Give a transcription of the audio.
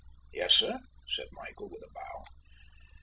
"Yes, sir," said Michael, with a bow.